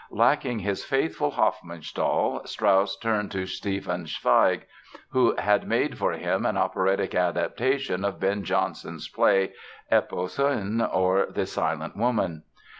Lacking his faithful Hofmannsthal Strauss turned to Stefan Zweig, who had made for him an operatic adaptation of Ben Jonson's play, "Epicoene, or The Silent Woman".